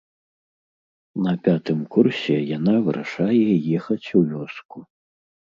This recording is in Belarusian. На пятым курсе яна вырашае ехаць у вёску.